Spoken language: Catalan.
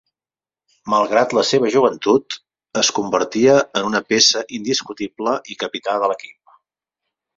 Malgrat la seva joventut, es convertia en una peça indiscutible i capità de l'equip.